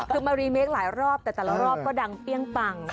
คือมารีเมคหลายรอบแต่แต่ละรอบก็ดังเปรี้ยงปัง